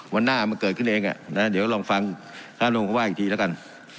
วันหน้ามันเกิดขึ้นเองนะครับเดี๋ยวลองฟังทางโรงพยาบาลอีกทีแล้วกัน